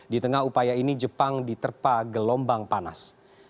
di tengah upaya ini jepang diterpa gelombang panas